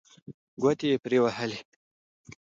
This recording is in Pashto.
ګوتې یې پرې ووهلې.